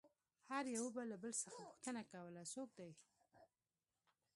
هر يوه له بل څخه پوښتنه کوله څوک دى.